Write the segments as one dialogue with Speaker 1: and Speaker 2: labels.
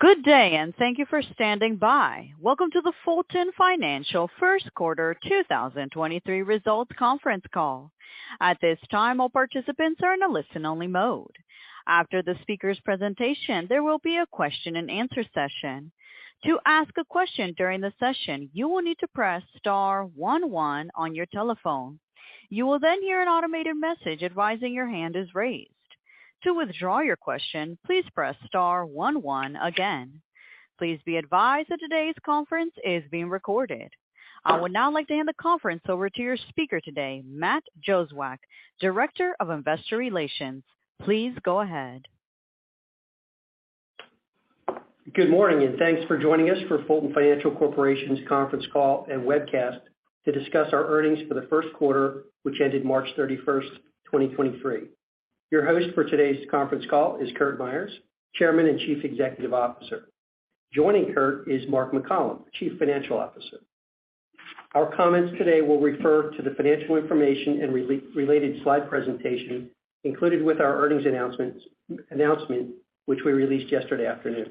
Speaker 1: Good day, and thank you for standing by. Welcome to the Fulton Financial first quarter 2023 results conference call. At this time, all participants are in a listen-only mode. After the speaker's presentation, there will be a question-and-answer session. To ask a question during the session, you will need to press star one one on your telephone. You will hear an automated message advising your hand is raised. To withdraw your question, please press star one one again. Please be advised that today's conference is being recorded. I would now like to hand the conference over to your speaker today, Matt Jozwiak, Director of Investor Relations. Please go ahead.
Speaker 2: Good morning, and thanks for joining us for Fulton Financial Corporation's conference call and webcast to discuss our earnings for the first quarter, which ended March 31st, 2023. Your host for today's conference call is Curt Myers, Chairman and Chief Executive Officer. Joining Curt is Mark McCollom, Chief Financial Officer. Our comments today will refer to the financial information and related slide presentation included with our earnings announcement, which we released yesterday afternoon.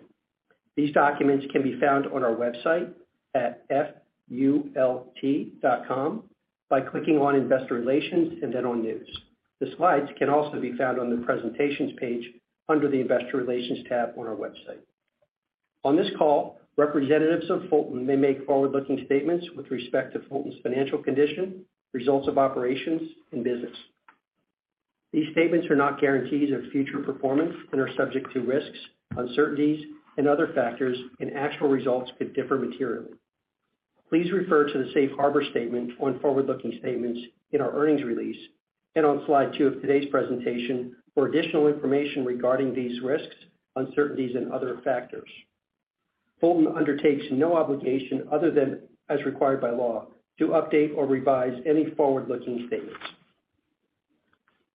Speaker 2: These documents can be found on our website at fult.com by clicking on Investor Relations and then on News. The slides can also be found on the presentations page under the Investor Relations tab on our website. On this call, representatives of Fulton may make forward-looking statements with respect to Fulton's financial condition, results of operations, and business. These statements are not guarantees of future performance and are subject to risks, uncertainties, and other factors, and actual results could differ materially. Please refer to the safe harbor statement on forward-looking statements in our earnings release and on slide two of today's presentation for additional information regarding these risks, uncertainties, and other factors. Fulton undertakes no obligation other than as required by law to update or revise any forward-looking statements.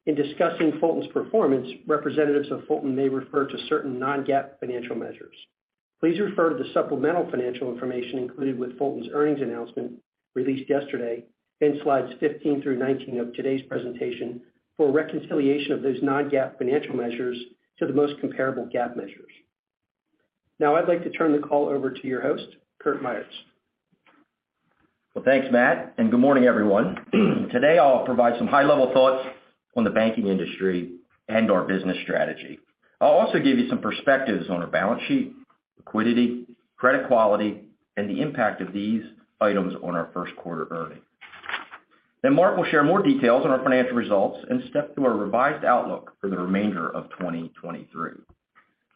Speaker 2: In discussing Fulton's performance, representatives of Fulton may refer to certain non-GAAP financial measures. Please refer to the supplemental financial information included with Fulton's earnings announcement released yesterday in slides 15 through 19 of today's presentation for a reconciliation of those non-GAAP financial measures to the most comparable GAAP measures. Now, I'd like to turn the call over to your host, Curt Myers.
Speaker 3: Well, thanks, Matt, and good morning, everyone. Today, I'll provide some high-level thoughts on the banking industry and our business strategy. I'll also give you some perspectives on our balance sheet, liquidity, credit quality, and the impact of these items on our first quarter earnings. Mark will share more details on our financial results and step through our revised outlook for the remainder of 2023.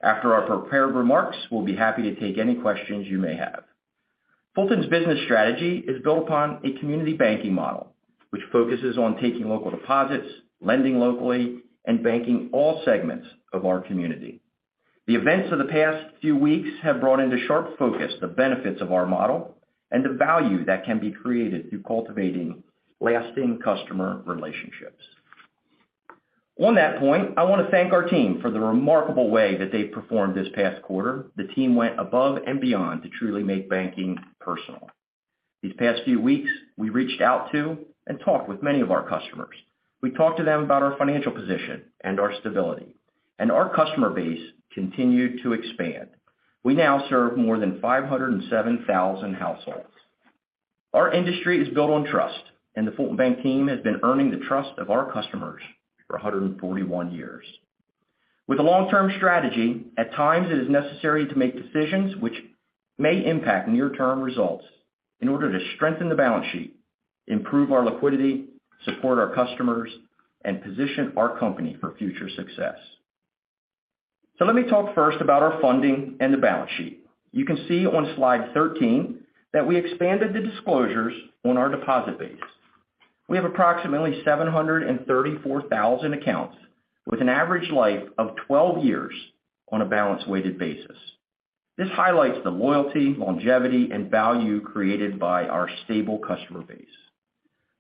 Speaker 3: After our prepared remarks, we'll be happy to take any questions you may have. Fulton's business strategy is built upon a community banking model, which focuses on taking local deposits, lending locally, and banking all segments of our community. The events of the past few weeks have brought into sharp focus the benefits of our model and the value that can be created through cultivating lasting customer relationships. On that point, I wanna thank our team for the remarkable way that they've performed this past quarter. The team went above and beyond to truly make banking personal. These past few weeks, we reached out to and talked with many of our customers. We talked to them about our financial position and our stability. Our customer base continued to expand. We now serve more than 507,000 households. Our industry is built on trust. The Fulton Bank team has been earning the trust of our customers for 141 years. With a long-term strategy, at times it is necessary to make decisions which may impact near-term results in order to strengthen the balance sheet, improve our liquidity, support our customers, and position our company for future success. Let me talk first about our funding and the balance sheet. You can see on slide 13 that we expanded the disclosures on our deposit base. We have approximately 734,000 accounts with an average life of 12 years on a balance weighted basis. This highlights the loyalty, longevity, and value created by our stable customer base.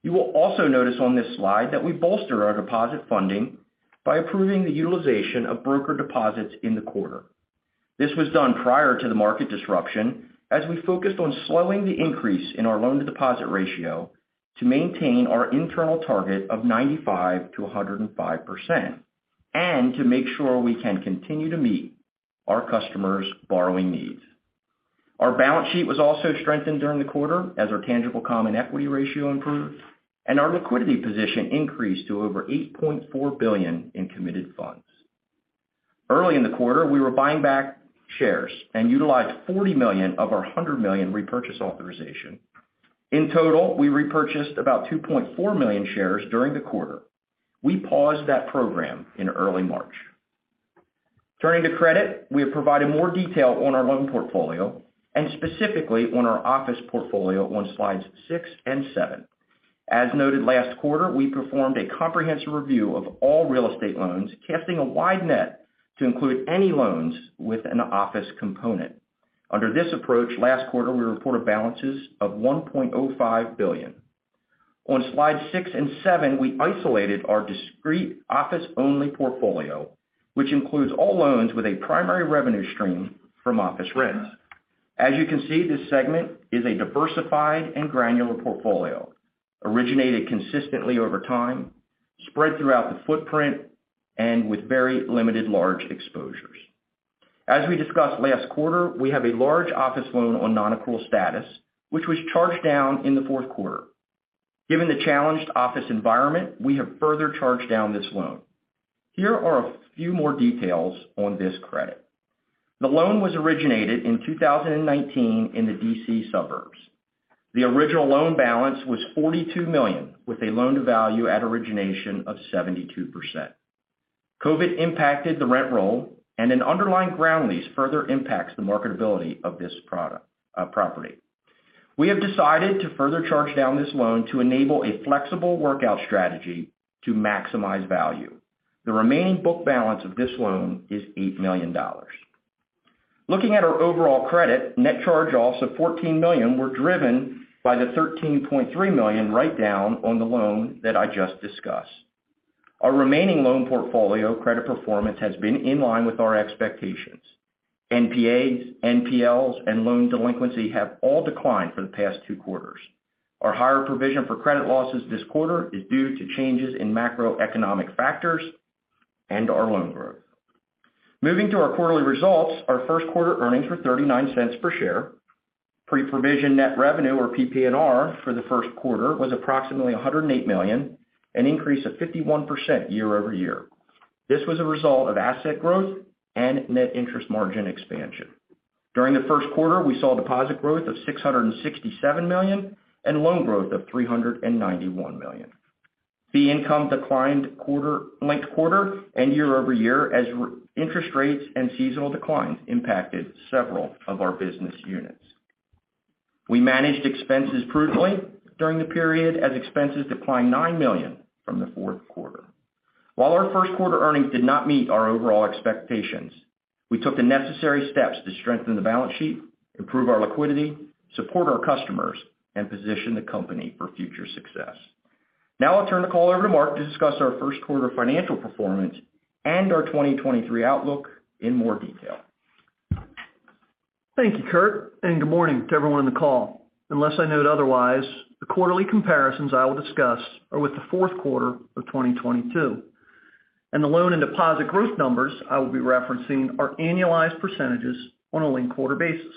Speaker 3: You will also notice on this slide that we bolster our deposit funding by approving the utilization of broker deposits in the quarter. This was done prior to the market disruption as we focused on slowing the increase in our loan-to-deposit ratio to maintain our internal target of 95%-105% and to make sure we can continue to meet our customers' borrowing needs. Our balance sheet was also strengthened during the quarter as our tangible common equity ratio improved, and our liquidity position increased to over $8.4 billion in committed funds. Early in the quarter, we were buying back shares and utilized $40 million of our $100 million repurchase authorization. In total, we repurchased about 2.4 million shares during the quarter. We paused that program in early March. Turning to credit, we have provided more detail on our loan portfolio and specifically on our office portfolio on slides six and seven. As noted last quarter, we performed a comprehensive review of all real estate loans, casting a wide net to include any loans with an office component. Under this approach, last quarter we reported balances of $1.05 billion. On slides six and seven, we isolated our discrete office-only portfolio, which includes all loans with a primary revenue stream from office rents. As you can see, this segment is a diversified and granular portfolio, originated consistently over time. Spread throughout the footprint and with very limited large exposures. As we discussed last quarter, we have a large office loan on non-accrual status, which was charged down in the fourth quarter. Given the challenged office environment, we have further charged down this loan. Here are a few more details on this credit. The loan was originated in 2019 in the D.C. suburbs. The original loan balance was $42 million, with a loan to value at origination of 72%. COVID impacted the rent roll and an underlying ground lease further impacts the marketability of this product, property. We have decided to further charge down this loan to enable a flexible workout strategy to maximize value. The remaining book balance of this loan is $8 million. Looking at our overall credit, net charge-offs of $14 million were driven by the $13.3 million write down on the loan that I just discussed. Our remaining loan portfolio credit performance has been in line with our expectations. NPAs, NPLs and loan delinquency have all declined for the past two quarters. Our higher provision for credit losses this quarter is due to changes in macroeconomic factors and our loan growth. Moving to our quarterly results, our first quarter earnings were $0.39 per share. Pre-provision net revenue or PPNR for the first quarter was approximately $108 million, an increase of 51% year-over-year. This was a result of asset growth and net interest margin expansion. During the first quarter, we saw deposit growth of $667 million and loan growth of $391 million. Fee income declined quarter, linked-quarter and year-over-year as interest rates and seasonal declines impacted several of our business units. We managed expenses prudently during the period as expenses declined $9 million from the fourth quarter. While our first quarter earnings did not meet our overall expectations, we took the necessary steps to strengthen the balance sheet, improve our liquidity, support our customers and position the company for future success. Now I'll turn the call over to Mark to discuss our first quarter financial performance and our 2023 outlook in more detail.
Speaker 4: Thank you, Curt. Good morning to everyone on the call. Unless I note otherwise, the quarterly comparisons I will discuss are with the fourth quarter of 2022. The loan and deposit growth numbers I will be referencing are annualized percentages on a linked quarter basis.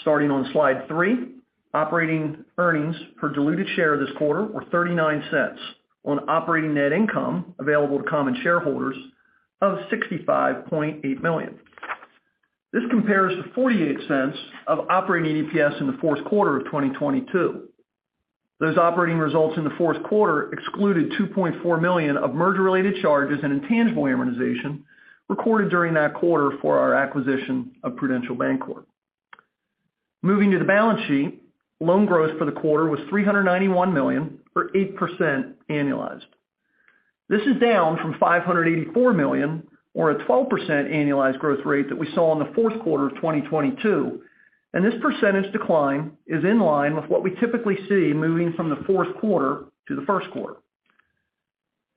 Speaker 4: Starting on slide 3, operating earnings per diluted share this quarter were $0.39 on operating net income available to common shareholders of $65.8 million. This compares to $0.48 of operating EPS in the fourth quarter of 2022. Those operating results in the fourth quarter excluded $2.4 million of merger-related charges and intangible amortization recorded during that quarter for our acquisition of Prudential Bancorp. Moving to the balance sheet, loan growth for the quarter was $391 million or 8% annualized. This is down from $584 million or a 12% annualized growth rate that we saw in the fourth quarter of 2022. This percentage decline is in line with what we typically see moving from the fourth quarter to the first quarter.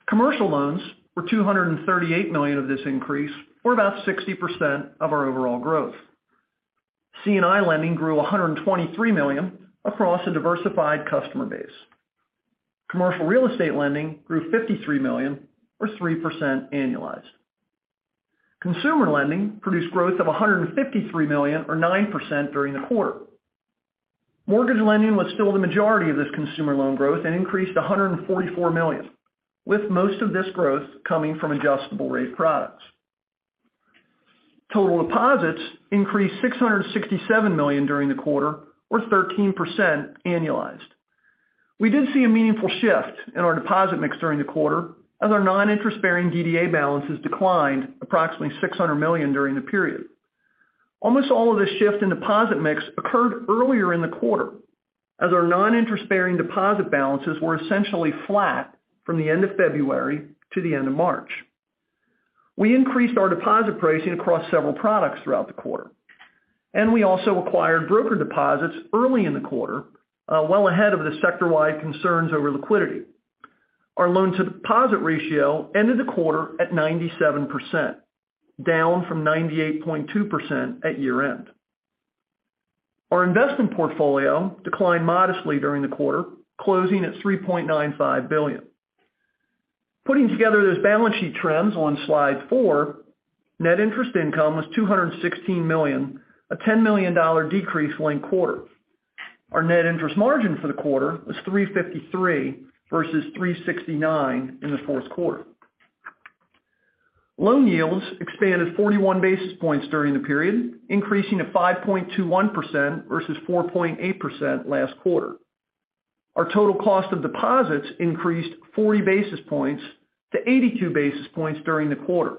Speaker 4: Commercial loans were $238 million of this increase, or about 60% of our overall growth. C&I lending grew $123 million across a diversified customer base. Commercial real estate lending grew $53 million or 3% annualized. Consumer lending produced growth of $153 million or 9% during the quarter. Mortgage lending was still the majority of this consumer loan growth and increased to $144 million, with most of this growth coming from adjustable-rate products. Total deposits increased $667 million during the quarter or 13% annualized. We did see a meaningful shift in our deposit mix during the quarter as our non-interest-bearing DDA balances declined approximately $600 million during the period. Almost all of this shift in deposit mix occurred earlier in the quarter as our non-interest-bearing deposit balances were essentially flat from the end of February to the end of March. We increased our deposit pricing across several products throughout the quarter, and we also acquired broker deposits early in the quarter, well ahead of the sector-wide concerns over liquidity. Our loan-to-deposit ratio ended the quarter at 97%, down from 98.2% at year-end. Our investment portfolio declined modestly during the quarter, closing at $3.95 billion. Putting together those balance sheet trends on slide four, net interest income was $216 million, a $10 million decrease linked quarter. Our net interest margin for the quarter was 3.53% versus 3.69% in the fourth quarter. Loan yields expanded 41 basis points during the period, increasing to 5.21% versus 4.8% last quarter. Our total cost of deposits increased 40 basis points to 82 basis points during the quarter.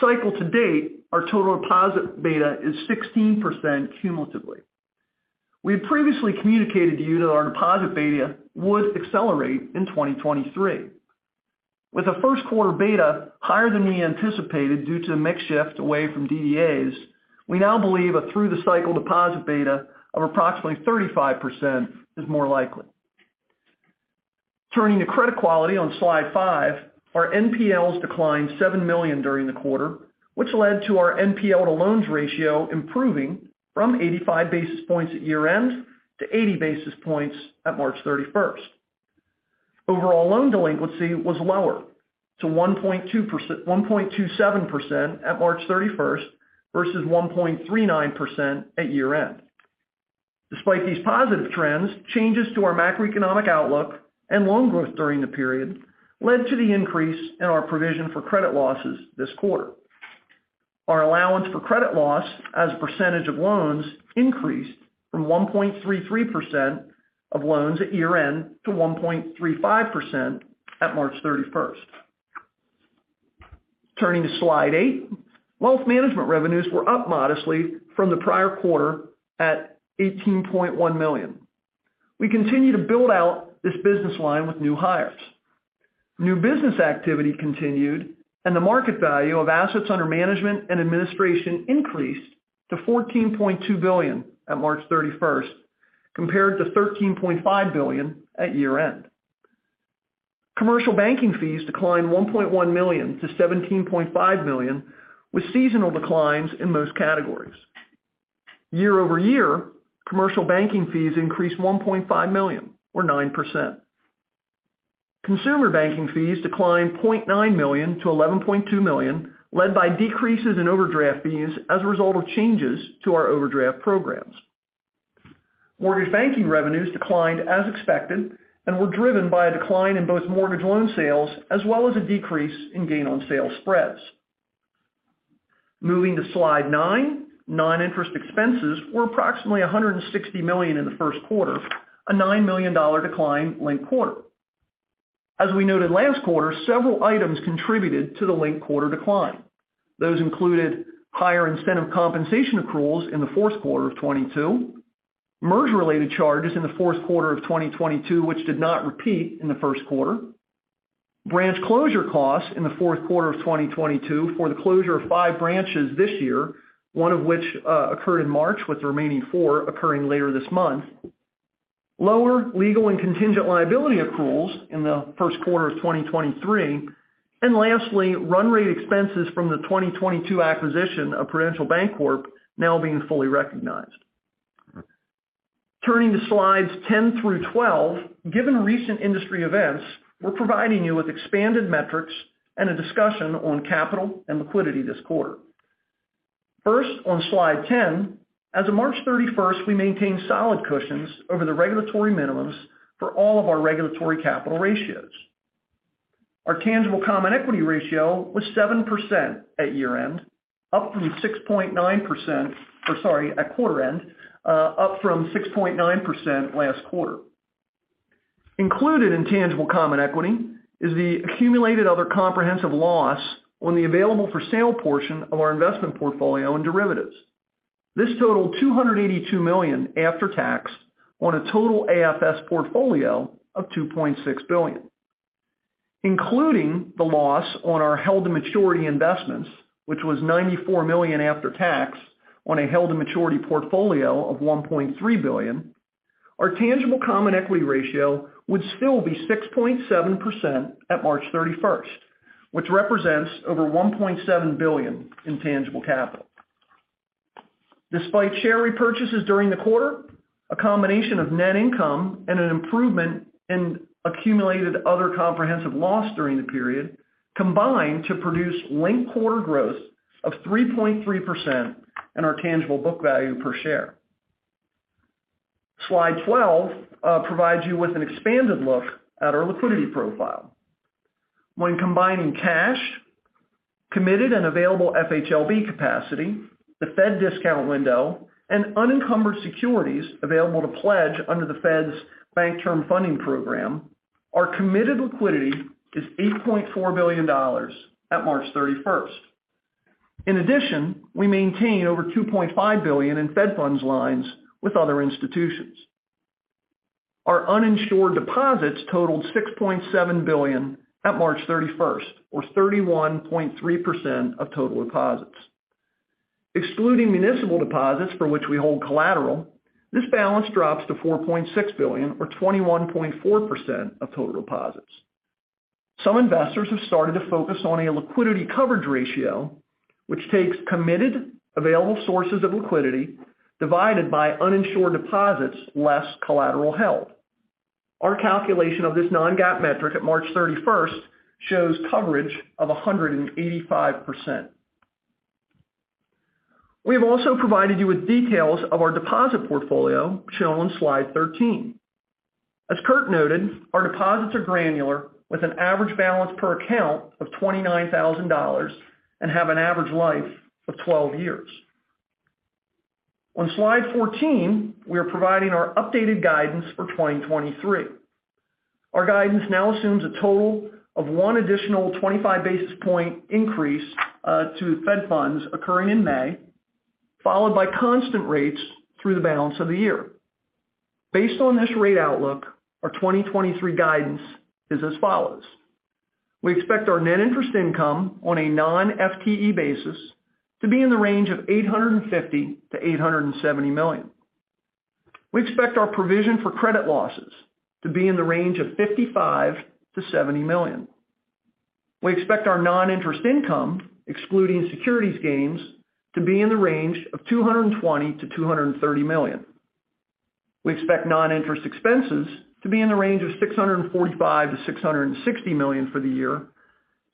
Speaker 4: Cycle to date, our total deposit beta is 16% cumulatively. We had previously communicated to you that our deposit beta would accelerate in 2023. With a first quarter beta higher than we anticipated due to mix shift away from DDAs, we now believe a through the cycle deposit beta of approximately 35% is more likely. Turning to credit quality on slide 5, our NPLs declined $7 million during the quarter, which led to our NPL to loans ratio improving from 85 basis points at year-end to 80 basis points at March 31st. Overall loan delinquency was lower to 1.27% at March 31st versus 1.39% at year-end. Despite these positive trends, changes to our macroeconomic outlook and loan growth during the period led to the increase in our provision for credit losses this quarter. Our allowance for credit loss as a percentage of loans increased from 1.33% of loans at year-end to 1.35% at March 31st. Turning to slide eight. Wealth management revenues were up modestly from the prior quarter at $18.1 million. We continue to build out this business line with new hires. The market value of assets under management and administration increased to $14.2 billion at March 31st, compared to $13.5 billion at year-end. Commercial banking fees declined $1.1 million to $17.5 million, with seasonal declines in most categories. Year-over-year, commercial banking fees increased $1.5 million or 9%. Consumer banking fees declined $0.9 million to $11.2 million, led by decreases in overdraft fees as a result of changes to our overdraft programs. Mortgage banking revenues declined as expected and were driven by a decline in both mortgage loan sales as well as a decrease in gain on sale spreads. Moving to slide nine. Non-interest expenses were approximately $160 million in the first quarter, a $9 million decline linked-quarter. As we noted last quarter, several items contributed to the linked-quarter decline. Those included higher incentive compensation accruals in the fourth quarter of 2022. Merge related charges in the fourth quarter of 2022, which did not repeat in the first quarter. Branch closure costs in the fourth quarter of 2022 for the closure of five branches this year, one of which occurred in March, with the remaining four occurring later this month. Lower legal and contingent liability accruals in the first quarter of 2023. Lastly, run rate expenses from the 2022 acquisition of Prudential Bancorp now being fully recognized. Turning to slides 10 through 12. Given recent industry events, we're providing you with expanded metrics and a discussion on capital and liquidity this quarter. First, on slide 10. As of March 31st, we maintained solid cushions over the regulatory minimums for all of our regulatory capital ratios. Our tangible common equity ratio was 7% at year-end, up from 6.9%. Sorry, at quarter end, up from 6.9% last quarter. Included in tangible common equity is the accumulated other comprehensive loss on the available for sale portion of our investment portfolio and derivatives. This totaled $282 million after tax on a total AFS portfolio of $2.6 billion. Including the loss on our held to maturity investments, which was $94 million after tax on a held to maturity portfolio of $1.3 billion, our tangible common equity ratio would still be 6.7% at March 31st, which represents over $1.7 billion in tangible capital. Despite share repurchases during the quarter, a combination of net income and an improvement in accumulated other comprehensive loss during the period combined to produce linked quarter growth of 3.3% in our tangible book value per share. Slide 12 provides you with an expanded look at our liquidity profile. When combining cash, committed and available FHLB capacity, the Fed discount window, and unencumbered securities available to pledge under the Fed's Bank Term Funding Program, our committed liquidity is $8.4 billion at March 31st. We maintain over $2.5 billion in Fed funds lines with other institutions. Our uninsured deposits totaled $6.7 billion at March 31st, or 31.3% of total deposits. Excluding municipal deposits for which we hold collateral, this balance drops to $4.6 billion or 21.4% of total deposits. Some investors have started to focus on a liquidity coverage ratio, which takes committed available sources of liquidity divided by uninsured deposits less collateral held. Our calculation of this non-GAAP metric at March 31st shows coverage of 185%. We have also provided you with details of our deposit portfolio shown on slide 13. As Curt noted, our deposits are granular with an average balance per account of $29,000 and have an average life of 12 years. On slide 14, we are providing our updated guidance for 2023. Our guidance now assumes a total of one additional 25 basis point increase to Fed Funds occurring in May, followed by constant rates through the balance of the year. Based on this rate outlook, our 2023 guidance is as follows: We expect our net interest income on a non-FTE basis to be in the range of $850 million-$870 million. We expect our provision for credit losses to be in the range of $55 million-$70 million. We expect our non-interest income, excluding securities gains, to be in the range of $220 million-$230 million. We expect non-interest expenses to be in the range of $645 million-$660 million for the year.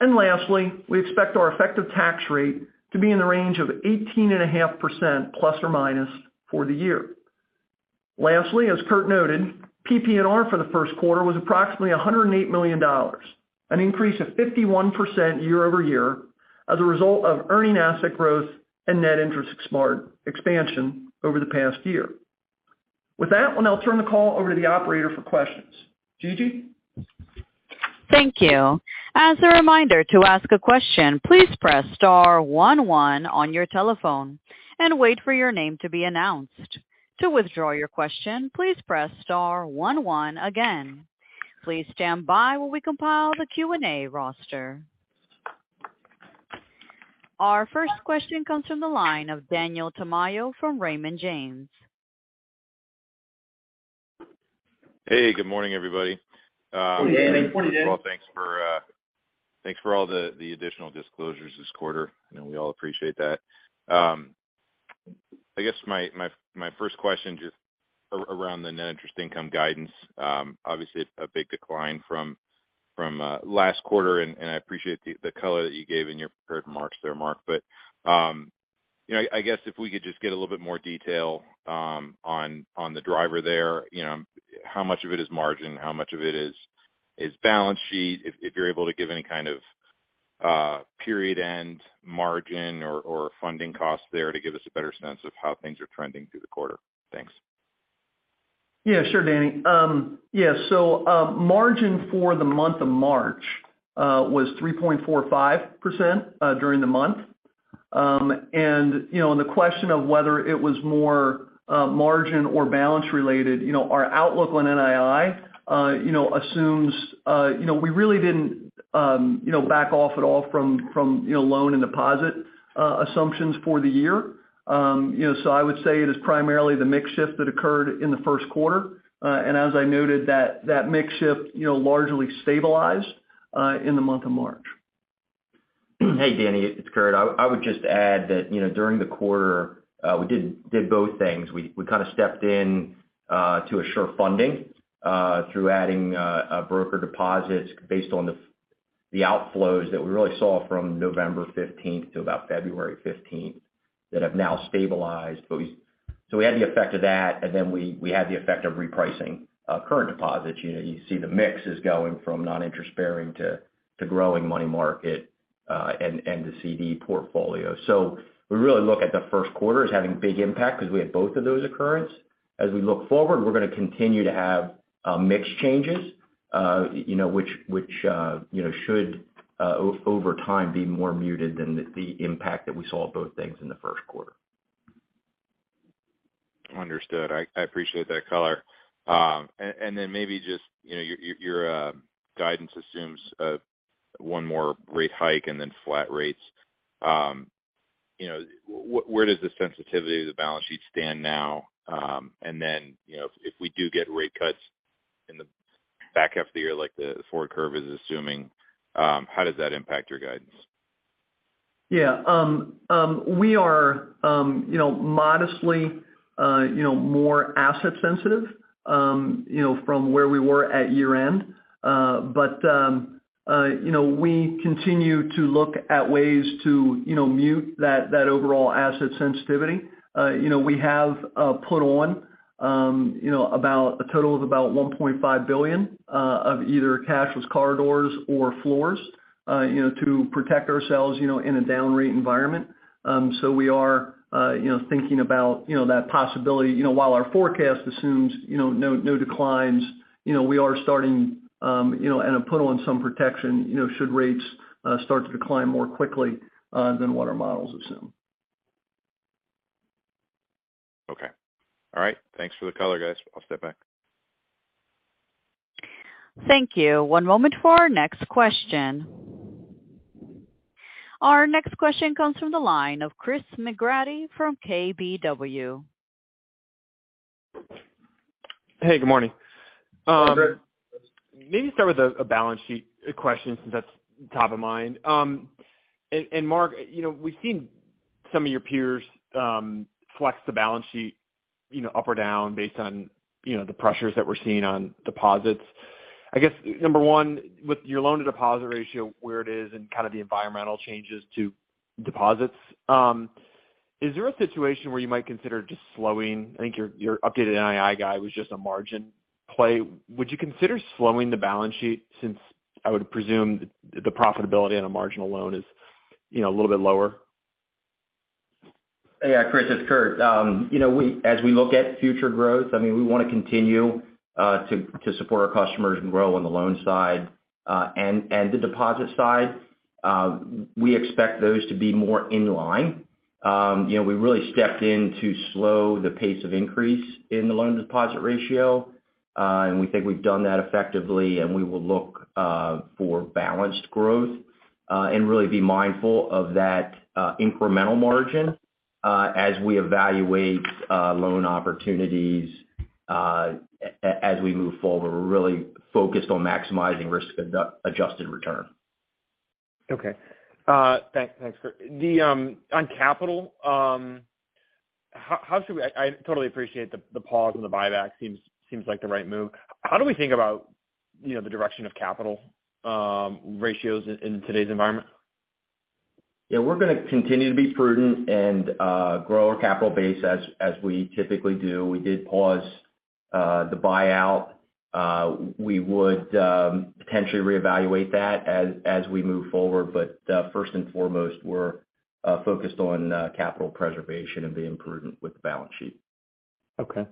Speaker 4: Lastly, we expect our effective tax rate to be in the range of 18.5% ± for the year. Lastly, as Curt noted, PPNR for the first quarter was approximately $108 million, an increase of 51% year-over-year as a result of earning asset growth and net interest margin expansion over the past year. With that one, I'll turn the call over to the operator for questions. Gigi.
Speaker 1: Thank you. As a reminder to ask a question, please press star one one on your telephone and wait for your name to be announced. To withdraw your question, please press star one one again. Please stand by while we compile the Q&A roster. Our first question comes from the line of Daniel Tamayo from Raymond James.
Speaker 5: Hey, good morning, everybody.
Speaker 4: Good morning, Dan.
Speaker 5: First of all, thanks for all the additional disclosures this quarter. I know we all appreciate that. I guess my first question just around the net interest income guidance. Obviously it's a big decline from last quarter, and I appreciate the color that you gave in your prepared remarks there, Mark. You know, I guess if we could just get a little bit more detail on the driver there, you know. How much of it is margin? How much of it is balance sheet? If you're able to give any kind of period-end margin or funding costs there to give us a better sense of how things are trending through the quarter. Thanks.
Speaker 4: Yeah, sure, Danny. Yeah. Margin for the month of March was 3.45% during the month. You know, and the question of whether it was more margin or balance related. You know, our outlook on NII, you know, assumes, you know, we really didn't, you know, back off at all from, you know, loan and deposit assumptions for the year. You know, so I would say it is primarily the mix shift that occurred in the first quarter. As I noted that that mix shift, you know, largely stabilized in the month of March.
Speaker 3: Hey, Danny, it's Curt. I would just add that, you know, during the quarter, we did both things. We kind of stepped in to assure funding through adding a broker deposits based on the outflows that we really saw from November 15th to about February 15th that have now stabilized. we had the effect of that, and then we had the effect of repricing current deposits. You know, you see the mix is going from non-interest bearing to growing money market and the CD portfolio. we really look at the 1st quarter as having big impact because we had both of those occurrence. As we look forward, we're gonna continue to have mix changes, you know, which, you know, should over time be more muted than the impact that we saw of both things in the first quarter.
Speaker 5: Understood. I appreciate that color. and then maybe just, you know, your guidance assumes one more rate hike and then flat rates. You know, where does the sensitivity of the balance sheet stand now? you know, if we do get rate cuts in the back half of the year, like the forward curve is assuming, how does that impact your guidance?
Speaker 4: Yeah. we are, you know, modestly, you know, more asset sensitive, you know, from where we were at year-end. We continue to look at ways to, you know, mute that overall asset sensitivity. You know, we have put on, you know, about a total of about $1.5 billion, of either cashless collars or floors, you know, to protect ourselves, you know, in a down rate environment. We are, you know, thinking about, you know, that possibility. While our forecast assumes, no declines, you know, we are starting, you know, and have put on some protection, you know, should rates start to decline more quickly than what our models assume.
Speaker 5: Okay. All right. Thanks for the color, guys. I'll step back.
Speaker 1: Thank you. One moment for our next question. Our next question comes from the line of Chris McGratty from KBW.
Speaker 6: Hey, good morning.
Speaker 4: Good morning.
Speaker 6: Maybe start with a balance sheet question since that's top of mind. Mark, you know, we've seen some of your peers flex the balance sheet, you know, up or down based on, you know, the pressures that we're seeing on deposits. I guess, number 1, with your loan-to-deposit ratio where it is and kind of the environmental changes to deposits, is there a situation where you might consider just slowing. I think your updated NII guide was just a margin play. Would you consider slowing the balance sheet since I would presume the profitability on a marginal loan is, you know, a little bit lower?
Speaker 3: Yeah, Chris, it's Curt. You know, we as we look at future growth, I mean, we want to continue to support our customers and grow on the loan side, and the deposit side. We expect those to be more in line. You know, we really stepped in to slow the pace of increase in the loan-to-deposit ratio, and we think we've done that effectively, and we will look for balanced growth and really be mindful of that incremental margin as we evaluate loan opportunities as we move forward. We're really focused on maximizing risk-adjusted return.
Speaker 6: Okay. Thanks. Thanks, Curt. On capital, how should we? I totally appreciate the pause on the buyback. Seems like the right move. How do we think about, you know, the direction of capital, ratios in today's environment?
Speaker 3: Yeah, we're gonna continue to be prudent and grow our capital base as we typically do. We did pause the buyout. We would potentially reevaluate that as we move forward. First and foremost, we're focused on capital preservation and being prudent with the balance sheet.
Speaker 6: Okay.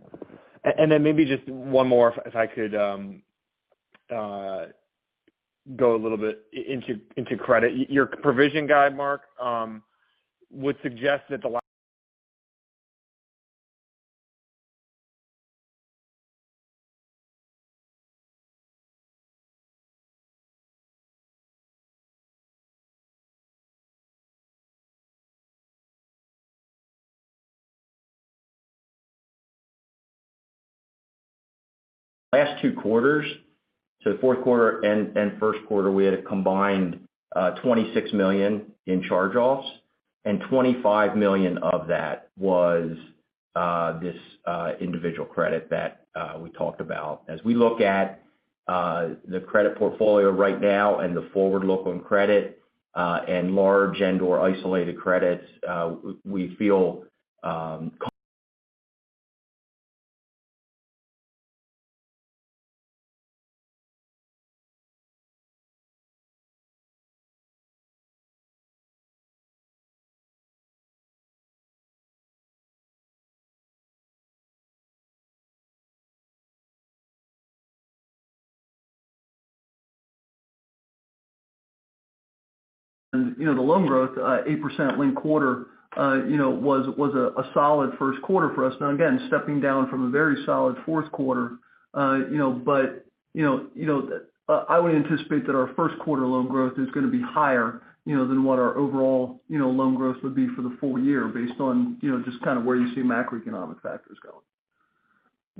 Speaker 6: Then maybe just one more if I could, go a little bit into credit. Your provision guide Mark, would suggest that the Last two quarters. Fourth quarter and first quarter, we had a combined $26 million in charge-offs, and $25 million of that was this individual credit that we talked about. As we look at the credit portfolio right now and the forward look on credit, and large and/or isolated credits, we feel con-
Speaker 4: You know, the loan growth, 8% linked quarter, you know, was a solid first quarter for us. Again, stepping down from a very solid fourth quarter, you know, but, you know, I would anticipate that our first quarter loan growth is gonna be higher, you know, than what our overall, you know, loan growth would be for the full year based on, you know, just kind of where you see macroeconomic factors going.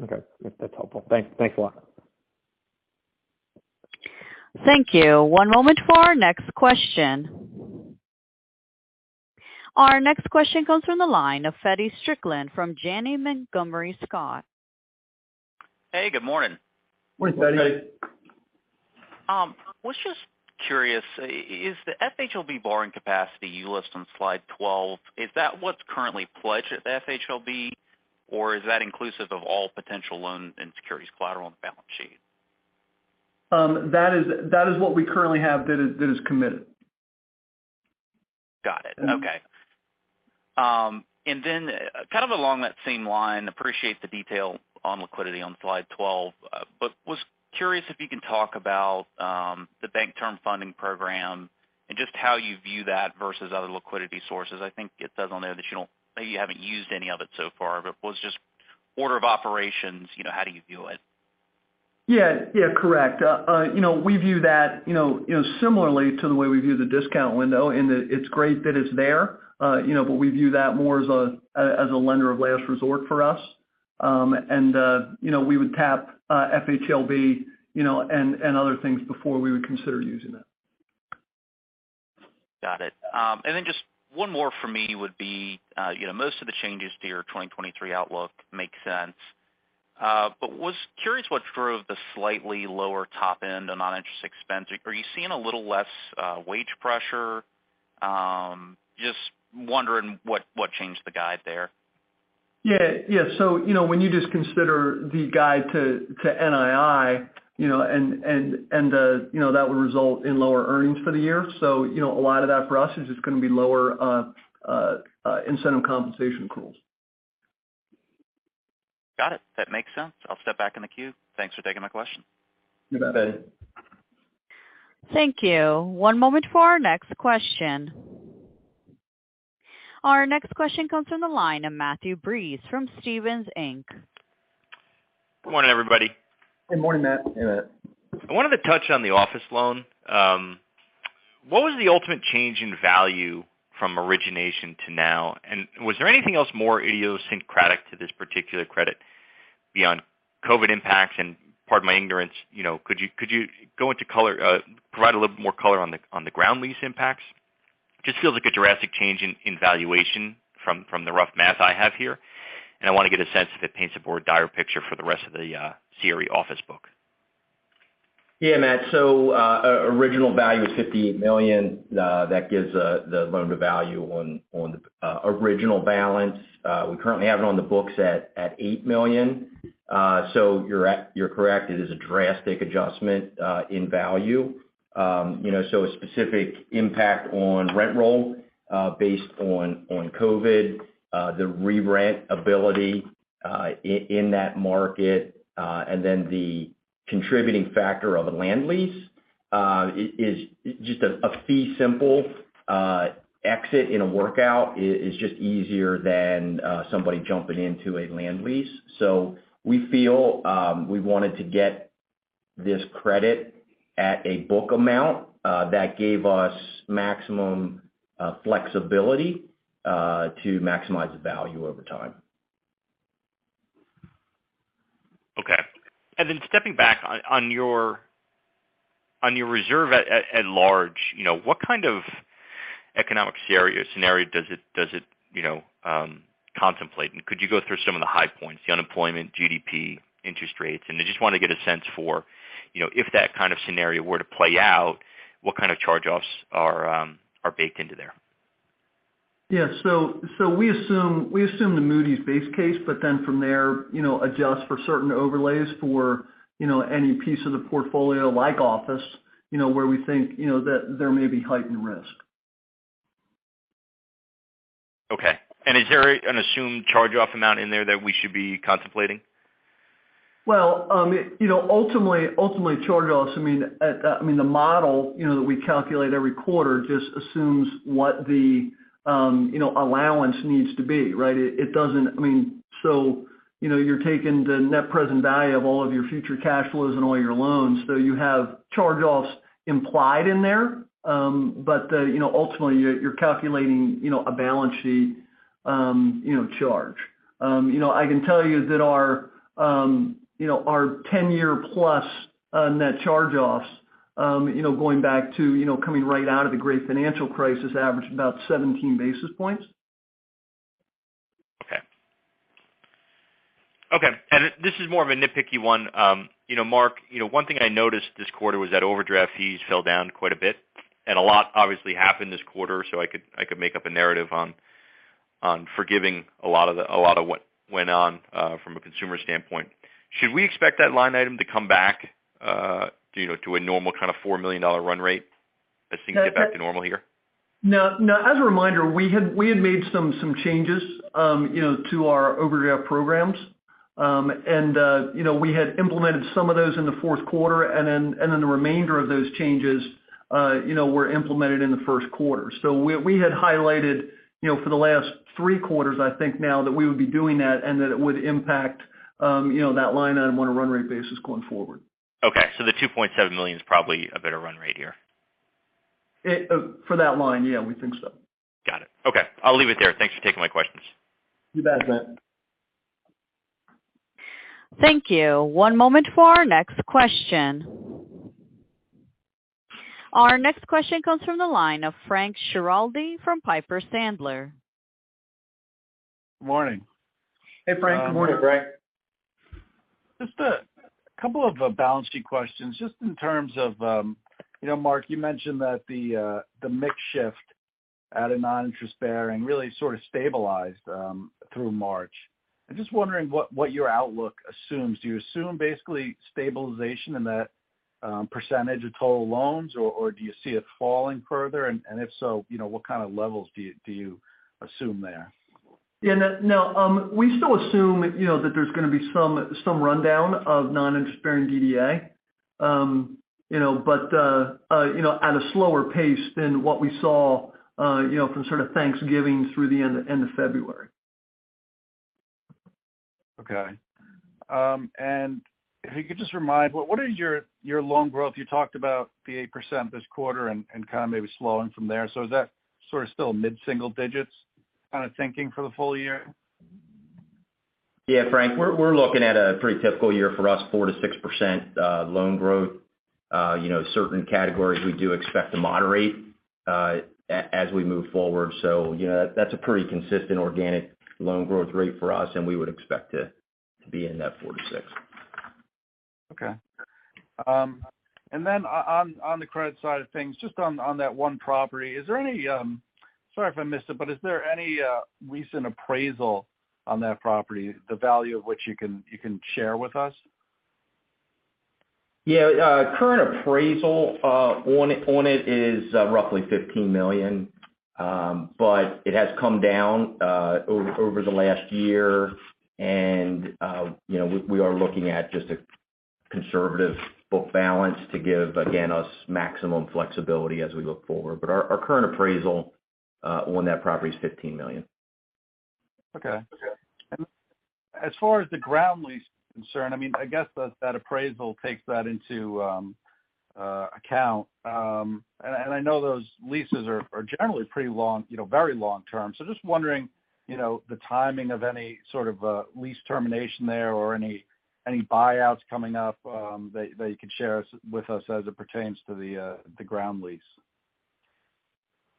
Speaker 6: Okay. That's helpful. Thanks. Thanks a lot.
Speaker 1: Thank you. One moment for our next question. Our next question comes from the line of Feddie Strickland from Janney Montgomery Scott.
Speaker 7: Hey, good morning.
Speaker 4: Morning, Feddie.
Speaker 3: Hey.
Speaker 7: Was just curious, is the FHLB borrowing capacity you list on slide 12, is that what's currently pledged at the FHLB, or is that inclusive of all potential loan and securities collateral on the balance sheet?
Speaker 4: That is what we currently have that is committed.
Speaker 7: Got it.
Speaker 4: Mm-hmm.
Speaker 7: Okay. Then kind of along that same line, appreciate the detail on liquidity on slide 12. Was curious if you can talk about the Bank Term Funding Program and just how you view that versus other liquidity sources. I think it says on there that you haven't used any of it so far, but was just order of operations, you know, how do you view it?
Speaker 4: Yeah. Yeah, correct. You know, we view that, you know, you know, similarly to the way we view the discount window in that it's great that it's there, you know, but we view that more as a lender of last resort for us. You know, we would tap FHLB, you know, and other things before we would consider using that.
Speaker 7: Got it. Just one more for me would be, you know, most of the changes to your 2023 outlook make sense. Was curious what drove the slightly lower top end on non-interest expense. Are you seeing a little less wage pressure? Just wondering what changed the guide there.
Speaker 4: Yeah. Yeah. you know, when you just consider the guide to NII, you know, and, you know, that would result in lower earnings for the year. you know, a lot of that for us is just gonna be lower, uh, incentive compensation accruals.
Speaker 7: Got it. That makes sense. I'll step back in the queue. Thanks for taking my question.
Speaker 4: You bet, Feddie.
Speaker 1: Thank you. One moment for our next question. Our next question comes from the line of Matthew Breese from Stephens Inc.
Speaker 8: Good morning, everybody.
Speaker 4: Good morning, Matt.
Speaker 3: Hey, Matt.
Speaker 8: I wanted to touch on the office loan. What was the ultimate change in value from origination to now? Was there anything else more idiosyncratic to this particular credit beyond COVID impacts? Pardon my ignorance, you know, could you go provide a little more color on the, on the ground lease impacts? Just feels like a drastic change in valuation from the rough math I have here. I want to get a sense if it paints a more dire picture for the rest of the CRE office book.
Speaker 3: Matt. Original value is $58 million. That gives the loan-to-value on original balance. We currently have it on the books at $8 million. You're correct. It is a drastic adjustment in value. You know, a specific impact on rent roll based on COVID, the re-rent ability in that market, the contributing factor of a land lease is just a fee simple. Exit in a workout is just easier than somebody jumping into a land lease. We feel, we wanted to get this credit at a book amount that gave us maximum flexibility to maximize the value over time.
Speaker 8: Okay. Stepping back on your reserve at large, you know, what kind of economic scenario does it, you know, contemplate? Could you go through some of the high points, the unemployment, GDP, interest rates? I just wanna get a sense for, you know, if that kind of scenario were to play out, what kind of charge-offs are baked into there?
Speaker 4: Yeah. We assume the Moody's base case, but then from there, you know, adjust for certain overlays for, you know, any piece of the portfolio like office, you know, where we think, you know, that there may be heightened risk.
Speaker 8: Okay. Is there an assumed charge-off amount in there that we should be contemplating?
Speaker 4: You know, ultimately, charge-offs, I mean, the model, you know, that we calculate every quarter just assumes what the, you know, allowance needs to be, right? It doesn't. I mean, so, you know, you're taking the net present value of all of your future cash flows and all your loans, so you have charge-offs implied in there. You know, ultimately you're calculating, you know, a balance sheet, you know, charge. You know, I can tell you that our, you know, our 10-year + net charge-offs, you know, going back to, you know, coming right out of the Global Financial Crisis averaged about 17 basis points.
Speaker 8: Okay. Okay. This is more of a nitpicky one. You know, Mark, you know, one thing I noticed this quarter was that overdraft fees fell down quite a bit. A lot obviously happened this quarter, so I could make up a narrative on forgiving a lot of what went on from a consumer standpoint. Should we expect that line item to come back, you know, to a normal kind of $4 million run rate as things get back to normal here?
Speaker 4: No. No. As a reminder, we had made some changes, you know, to our overdraft programs. You know, we had implemented some of those in the fourth quarter, and then the remainder of those changes, you know, were implemented in the first quarter. We had highlighted, you know, for the last three quarters, I think now that we would be doing that and that it would impact, you know, that line item on a run rate basis going forward.
Speaker 8: Okay. The $2.7 million is probably a better run rate here.
Speaker 4: It, for that line, yeah, we think so.
Speaker 8: Got it. Okay. I'll leave it there. Thanks for taking my questions.
Speaker 4: You bet, Matt.
Speaker 1: Thank you. One moment for our next question. Our next question comes from the line of Frank Schiraldi from Piper Sandler.
Speaker 9: Morning.
Speaker 4: Hey, Frank. Good morning.
Speaker 3: Morning, Frank.
Speaker 9: Just a couple of balance sheet questions. Just in terms of, you know, Mark, you mentioned that the mix shift at a non-interest bearing really sort of stabilized through March. I'm just wondering what your outlook assumes. Do you assume basically stabilization in that percentage of total loans, or do you see it falling further? If so, you know, what kind of levels do you assume there?
Speaker 4: Yeah. No, no. We still assume, you know, that there's gonna be some rundown of non-interest bearing DDA. You know, but, you know, at a slower pace than what we saw, you know, from sort of Thanksgiving through the end of February.
Speaker 9: Okay. If you could just remind, what is your loan growth? You talked about the 8% this quarter and kind of maybe slowing from there. Is that sort of still mid-single digits kind of thinking for the full year?
Speaker 3: Yeah, Frank. We're looking at a pretty typical year for us, 4%-6% loan growth. You know, certain categories we do expect to moderate as we move forward. You know, that's a pretty consistent organic loan growth rate for us, and we would expect to be in that 4%-6%.
Speaker 9: Okay. On the credit side of things, just on that one property, is there any? Sorry if I missed it, but is there any recent appraisal on that property, the value of which you can share with us?
Speaker 3: Yeah. Current appraisal on it is roughly $15 million. It has come down over the last year. You know, we are looking at just a conservative book balance to give, again, us maximum flexibility as we look forward. Our current appraisal on that property is $15 million.
Speaker 9: Okay. As far as the ground lease is concerned, I mean, I guess that appraisal takes that into account. I know those leases are generally pretty long, you know, very long-term. Just wondering, you know, the timing of any sort of lease termination there or any buyouts coming up, that you could share with us as it pertains to the ground lease.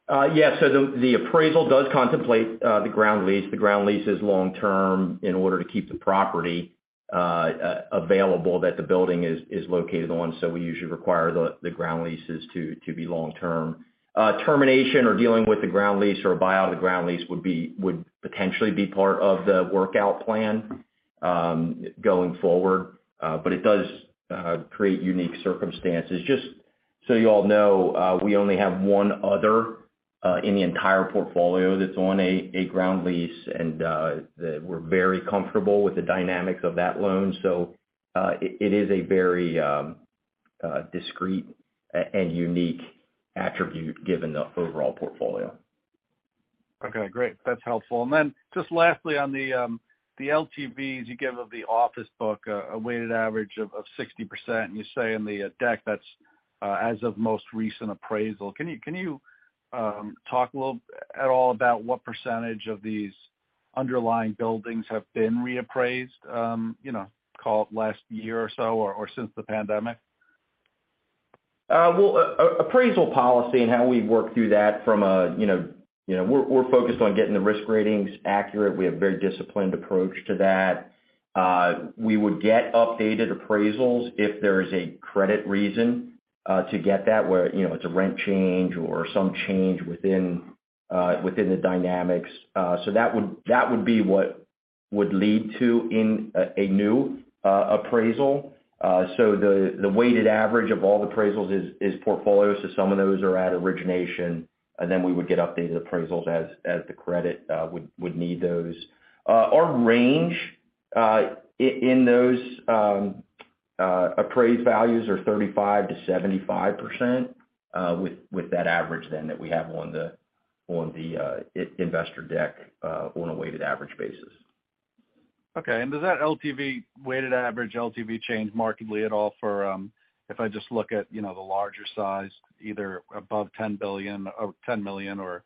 Speaker 3: Yeah. The appraisal does contemplate the ground lease. The ground lease is long-term in order to keep the property available that the building is located on. We usually require the ground leases to be long-term. Termination or dealing with the ground lease or a buyout of the ground lease would potentially be part of the workout plan going forward. It does create unique circumstances. Just so you all know, we only have one other in the entire portfolio that's on a ground lease. We're very comfortable with the dynamics of that loan. It is a very discrete and unique attribute given the overall portfolio.
Speaker 9: Okay, great. That's helpful. Just lastly, on the LTVs you give of the office book a weighted average of 60%, and you say in the deck that's as of most recent appraisal. Can you talk a little at all about what percentage of these underlying buildings have been reappraised, you know, call it last year or so, or since the pandemic?
Speaker 4: Well, appraisal policy and how we work through that from a, you know, we're focused on getting the risk ratings accurate. We have a very disciplined approach to that. We would get updated appraisals if there is a credit reason to get that where, you know, it's a rent change or some change within the dynamics. That would be what would lead to a new appraisal. The weighted average of all appraisals is portfolio. Some of those are at origination, and then we would get updated appraisals as the credit would need those. Our range, in those appraised values are 35%-75%, with that average then that we have on the investor deck, on a weighted average basis.
Speaker 9: Okay. Does that weighted average LTV change markedly at all for, if I just look at, you know, the larger size either above $10 billion or $10 million or,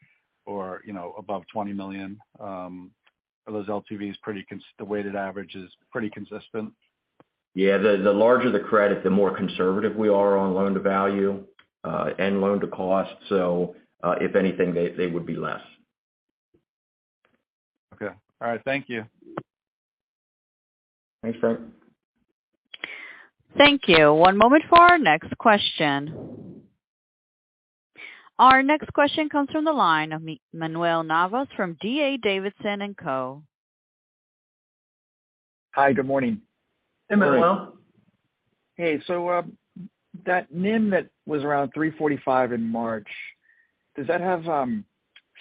Speaker 9: you know, above $20 million, the weighted average is pretty consistent?
Speaker 4: Yeah. The larger the credit, the more conservative we are on loan-to-value and loan-to-cost. If anything, they would be less.
Speaker 9: Okay. All right. Thank you.
Speaker 4: Thanks, Frank.
Speaker 1: Thank you. One moment for our next question. Our next question comes from the line of Manuel Navas from D.A. Davidson & Co.
Speaker 10: Hi. Good morning.
Speaker 4: Hey, Manuel.
Speaker 10: Hey. That NIM that was around 3.45% in March, does that have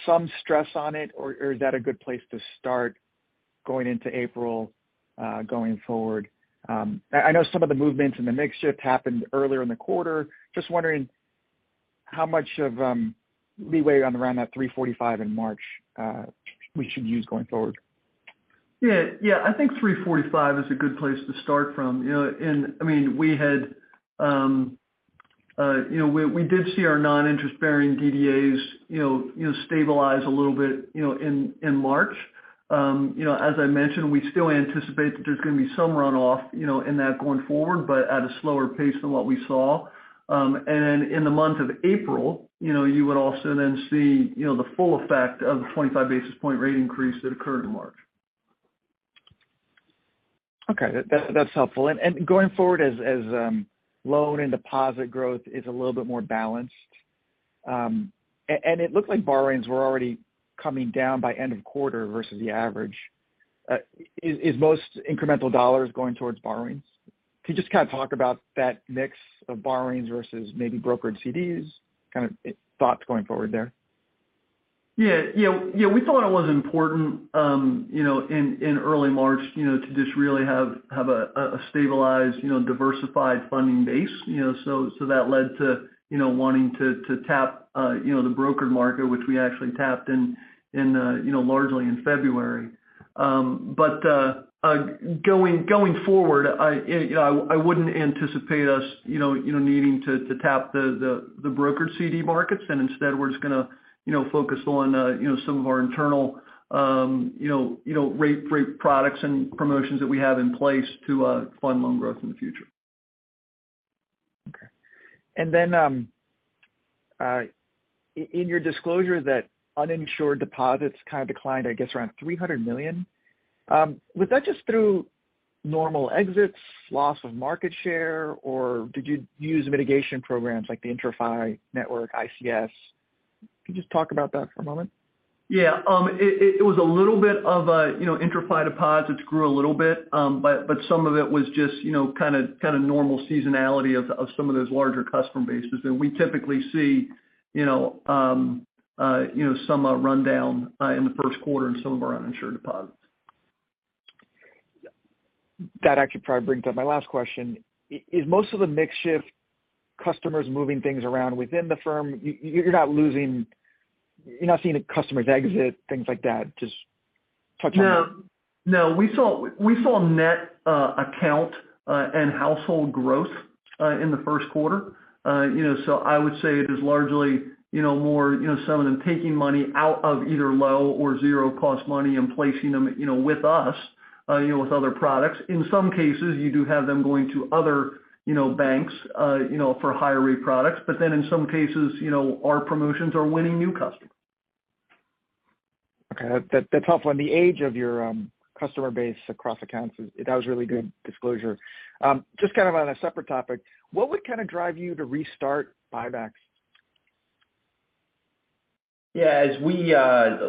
Speaker 10: some stress on it, or is that a good place to start going into April going forward? I know some of the movements in the mix shift happened earlier in the quarter. Just wondering how much of leeway around that 3.45% in March we should use going forward.
Speaker 4: Yeah. I think 345 is a good place to start from. You know, I mean, we had, you know, we did see our non-interest-bearing DDAs, you know, stabilize a little bit, you know, in March. You know, as I mentioned, we still anticipate that there's gonna be some runoff, you know, in that going forward, but at a slower pace than what we saw. In the month of April, you know, you would also then see, you know, the full effect of the 25 basis point rate increase that occurred in March.
Speaker 10: Okay. That's helpful. Going forward as loan and deposit growth is a little bit more balanced, and it looks like borrowings were already coming down by end of quarter versus the average. Is most incremental dollars going towards borrowings? Can you just kind of talk about that mix of borrowings versus maybe brokered CDs, kind of thoughts going forward there?
Speaker 4: Yeah. You know, we thought it was important, you know, in early March, you know, to just really have a stabilized, you know, diversified funding base, you know. That led to, you know, wanting to tap, you know, the brokered market, which we actually tapped in, you know, largely in February. Going forward, I, you know, I wouldn't anticipate us, you know, needing to tap the brokered CD markets. Instead we're just gonna, you know, focus on, you know, some of our internal, you know, fee-free products and promotions that we have in place to fund loan growth in the future.
Speaker 10: Okay. In your disclosure that uninsured deposits kind of declined, I guess, around $300 million, was that just through normal exits, loss of market share, or did you use mitigation programs like the IntraFi network, ICS? Can you just talk about that for a moment?
Speaker 4: Yeah. It was a little bit of a, you know, IntraFi deposits grew a little bit. But some of it was just, you know, kind of normal seasonality of some of those larger customer bases. We typically see, you know, some rundown in the first quarter in some of our uninsured deposits.
Speaker 10: That actually probably brings up my last question. Is most of the mix shift customers moving things around within the firm? You're not seeing customers exit, things like that. Just touch on that.
Speaker 4: No. We saw net account and household growth in the first quarter. You know, I would say it is largely, you know, more, you know, some of them taking money out of either low or zero cost money and placing them, you know, with us, you know, with other products. In some cases, you do have them going to other, you know, banks, you know, for higher rate products. In some cases, you know, our promotions are winning new customers.
Speaker 10: Okay. That's helpful. The age of your customer base across accounts is that was really good disclosure. Just kind of on a separate topic, what would kind of drive you to restart buybacks?
Speaker 4: Yeah. As we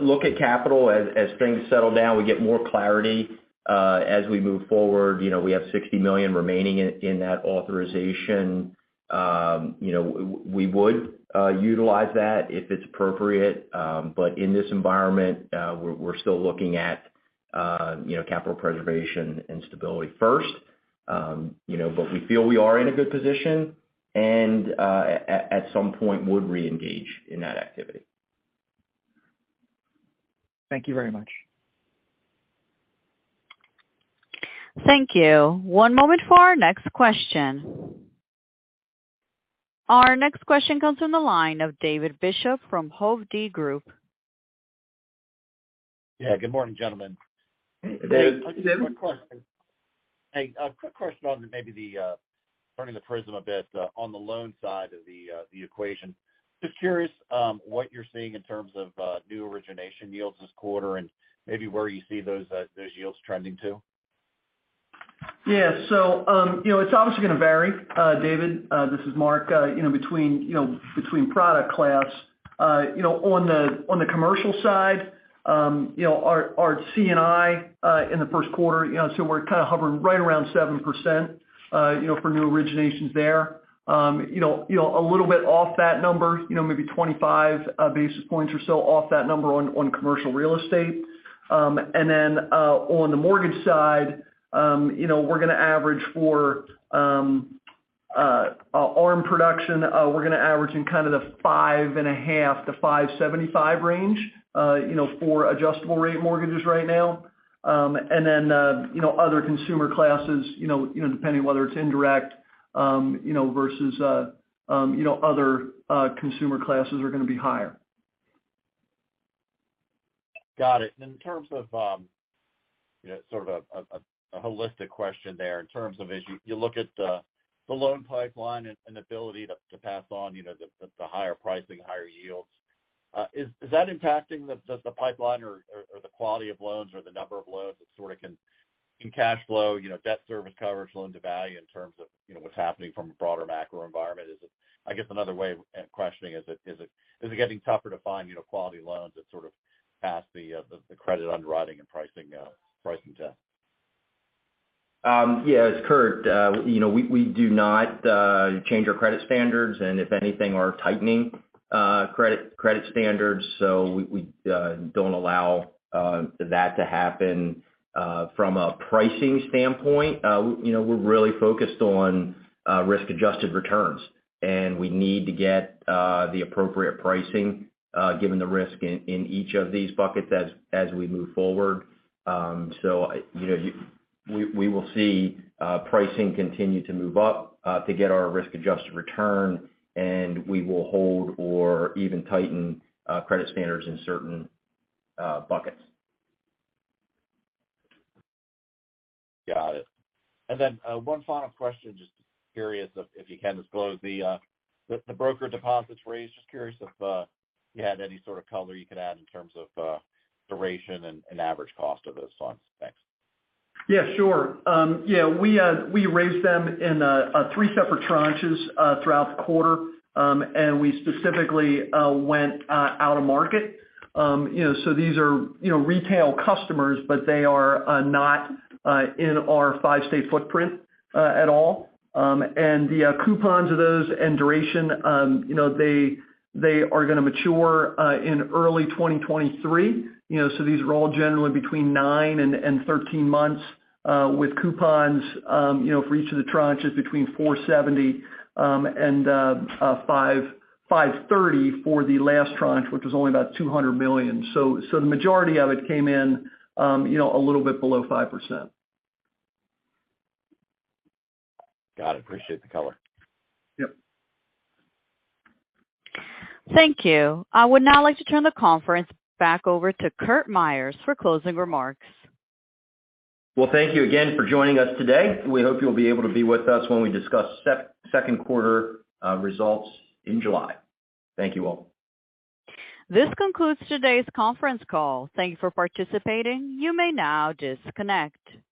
Speaker 4: look at capital, as things settle down, we get more clarity, as we move forward, you know, we have $60 million remaining in that authorization. You know, we would utilize that if it's appropriate. In this environment, we're still looking at
Speaker 3: You know, capital preservation and stability first. You know, we feel we are in a good position and, at some point would reengage in that activity.
Speaker 4: Thank you very much.
Speaker 1: Thank you. One moment for our next question. Our next question comes from the line of David Bishop from Hovde Group.
Speaker 11: Yeah. Good morning, gentlemen.
Speaker 3: Hey, David.
Speaker 4: Good morning, David.
Speaker 11: A quick question on maybe the turning the prism a bit on the loan side of the equation. Just curious what you're seeing in terms of new origination yields this quarter and maybe where you see those yields trending to.
Speaker 4: You know, it's obviously going to vary, David, this is Mark, you know, between product class. You know, on the commercial side, you know, our C&I, in the first quarter, you know, so we're kind of hovering right around 7%, you know, for new originations there. You know, a little bit off that number, you know, maybe 25 basis points or so off that number on commercial real estate. On the mortgage side, you know, we're going to average for our ARM production, we're going to average in kind of the 5.5%-5.75% range, you know, for adjustable rate mortgages right now. Then, you know, other consumer classes, you know, depending on whether it's indirect, you know, versus, you know, other consumer classes are going to be higher.
Speaker 11: Got it. And in terms of, you know, sort of a holistic question there in terms of as you look at the loan pipeline and ability to pass on, you know, the higher pricing, higher yields. Does the pipeline or the quality of loans or the number of loans that sort of can cash flow, you know, debt service coverage, loan to value in terms of, you know, what's happening from a broader macro environment? I guess another way of questioning, is it getting tougher to find, you know, quality loans that sort of pass the credit underwriting and pricing test?
Speaker 3: Yes, Curt. We, we do not change our credit standards, and if anything, are tightening credit standards. We, we don't allow that to happen. From a pricing standpoint, we're really focused on risk-adjusted returns, and we need to get the appropriate pricing given the risk in each of these buckets as we move forward. We will see pricing continue to move up to get our risk-adjusted return, and we will hold or even tighten credit standards in certain buckets.
Speaker 11: Got it. One final question. Just curious if you can disclose the broker deposits raised. Just curious if you had any sort of color you could add in terms of duration and average cost of those loans. Thanks.
Speaker 4: Yeah, sure. Yeah, we raised them in three separate tranches throughout the quarter. We specifically went out of market. You know, so these are, you know, retail customers, but they are not in our five-state footprint at all. The coupons of those and duration, you know, they are going to mature in early 2023. You know, so these are all generally between nine and 13 months with coupons, you know, for each of the tranches between 4.70% and 5.30% for the last tranche, which was only about $200 million. The majority of it came in, you know, a little bit below 5%.
Speaker 11: Got it. Appreciate the color.
Speaker 4: Yep.
Speaker 1: Thank you. I would now like to turn the conference back over to Curt Myers for closing remarks.
Speaker 3: Well, thank you again for joining us today. We hope you'll be able to be with us when we discuss second quarter results in July. Thank you, all.
Speaker 1: This concludes today's conference call. Thank you for participating. You may now disconnect.